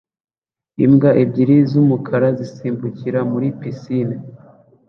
Imbwa ebyiri z'umukara zisimbukira muri pisine